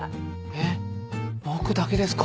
えっ僕だけですか？